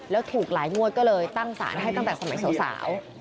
แล้วถูกหลายงวดก็เลยตั้งสารให้ตั้งแต่สมัยสาว